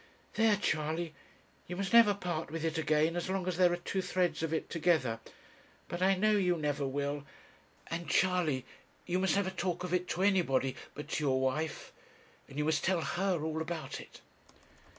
'There, Charley, you must never part with it again as long as there are two threads of it together; but I know you never will; and Charley, you must never talk of it to anybody but to your wife; and you must tell her all about it.'